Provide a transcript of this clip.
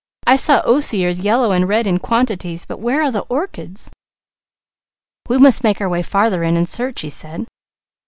I saw osiers yellow and red in quantities, but where are the orchids?" "We must make our way farther in and search," he said.